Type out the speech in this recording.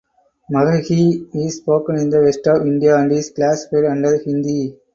Magahi is spoken in the west of India and is classified under Hindi.